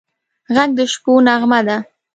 غږ د شپو نغمه ده